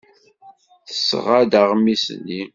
Tesɣa-d aɣmis-nni.